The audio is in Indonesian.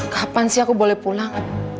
kapan sih aku boleh pulang